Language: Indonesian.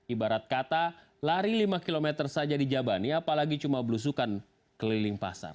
ibarat kata lari lima km saja dijabani apalagi cuma belusukan keliling pasar